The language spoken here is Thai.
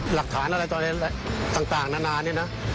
หลักฐานอะไรตอนนี้ต่างนานนี่นะ